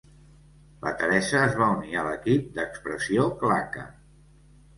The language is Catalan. La Teresa es va unir a l’Equip d’Expressió Claca.